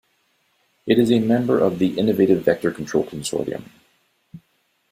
It is a member of the Innovative Vector Control Consortium.